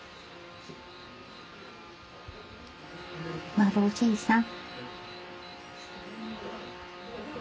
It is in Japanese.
まるおじいさん。